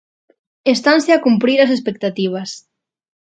Estanse a cumprir as expectativas.